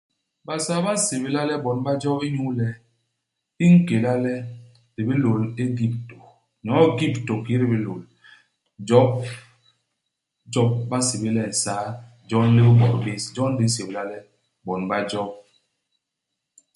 Basaa ba nsébla le bon ba job inyu le i nkéla le, di bilôl i Egyptô. Nyo'o i Egyptô kiki di bilôl, job ijob ba nsébél le Nsaa jon li bibot bés. Jon di nsélba le bon ba job.